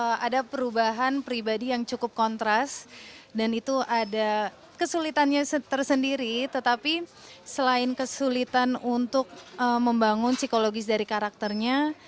ada perubahan pribadi yang cukup kontras dan itu ada kesulitannya tersendiri tetapi selain kesulitan untuk membangun psikologis dari karakternya